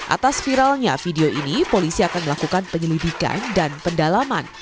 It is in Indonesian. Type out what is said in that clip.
atas viralnya video ini polisi akan melakukan penyelidikan dan pendalaman